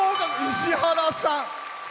石原さん。